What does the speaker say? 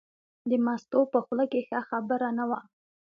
د مستو په خوله کې ښه خبره نه وه.